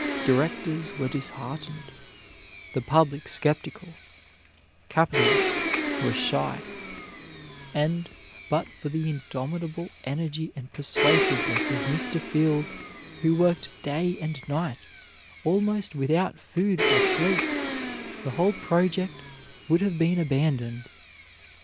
Directors were disheartened, the public skeptical, capitalists were shy, and but for the indomitable energy and persuasiveness of Mr. Field, who worked day and night almost without food or sleep, the whole project would have been abandoned.